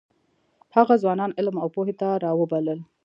هغه ځوانان علم او پوهې ته راوبلل.